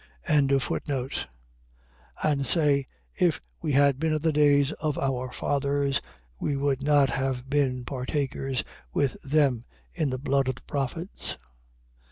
23:30. And say: If we had been in the days of our fathers, we would not have been partakers with them in the blood of the prophets.